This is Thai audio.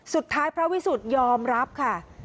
สุดท้ายพระวิสุทธิ์ยอมรับค่ะ